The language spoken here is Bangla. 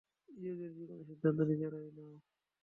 নিজেদের জীবনের সিদ্ধান্ত নিজেরা নাও।